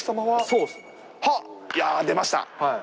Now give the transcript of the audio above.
はっ！出ました。